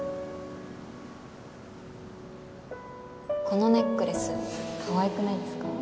このネックレスかわいくないですか？